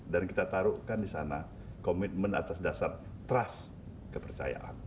dan kita taruhkan di sana komitmen atas dasar trust kepercayaan